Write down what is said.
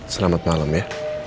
selamat malam ya